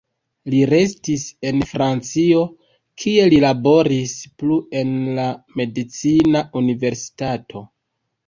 Li restis en Francio, kie li laboris plu en la medicina universitato.